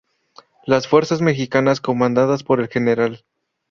Las fuerzas mexicanas comandadas por el Gral.